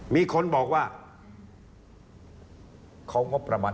มีคนบอกว่า